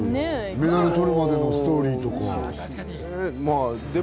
メダルを取るまでのストーリーとか。